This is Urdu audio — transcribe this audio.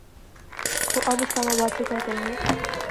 وہ اب اسلام آباد سے کیا کریں گے۔